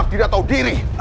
kau tidak tahu diri